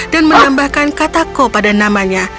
dan menambahkan katako pada namanya